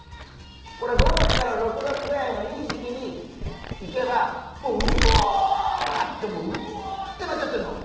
これ５月から６月ぐらいのいい時期に行けばもううおってうおってなっちゃってんの。